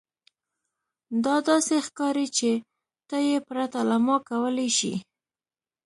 دا داسې ښکاري چې ته یې پرته له ما کولی شې